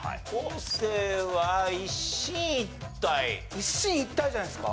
一進一退じゃないですか？